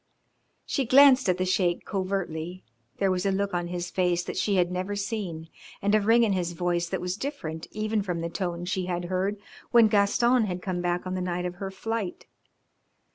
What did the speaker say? She glanced at the Sheik covertly. There was a look on his face that she had never seen and a ring in his voice that was different even from the tone she had heard when Gaston had come back on the night of her flight.